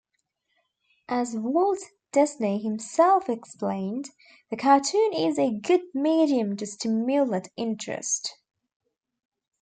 As Walt Disney himself explained, The cartoon is a good medium to stimulate interest.